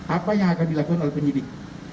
apa yang akan dilakukan oleh penyidik